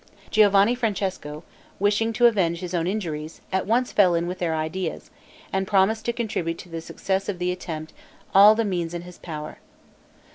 Giovanni Francesco, wishing to avenge his own injuries, at once fell in with their ideas, and promised to contribute to the success of the attempt all the means in his power.